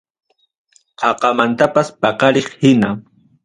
Qaqamantapas paqariq hina.